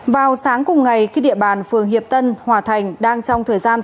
vào sáng cùng ngày khi địa bàn phường hiệp tân hòa thành đang trong thời gian phát triển